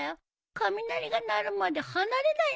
雷が鳴るまで離れないんだよ？